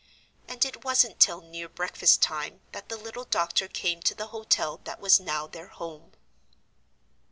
And it wasn't till near breakfast time that the little doctor came to the hotel that was now their home.